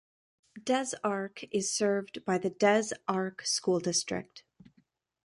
Des Arc is served by the Des Arc School District.